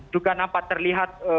juga nampak terlihat